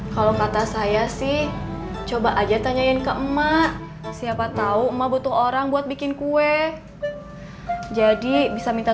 kalau kata saya sih coba aja tanyain ke emak siapa tahu emak butuh orang buat bikin kue jadi bisa minta